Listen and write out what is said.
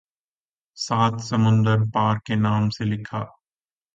سات سمندر پار کے نام سے لکھا